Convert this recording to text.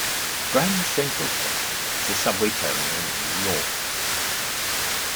Grand Central Station is a subway terminal in New York.